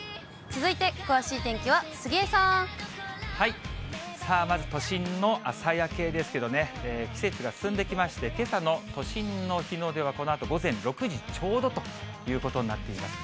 続いて、詳しい天気は杉江ささあ、まず都心の朝焼けですけどね、季節が進んできまして、けさの都心の日の出はこのあと午前６時ちょうどということになっています。